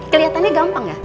kelihatannya gampang gak